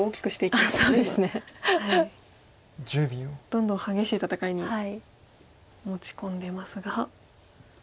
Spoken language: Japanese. どんどん激しい戦いに持ち込んでますが。